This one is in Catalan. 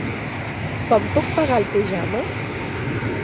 Com puc pagar el pijama?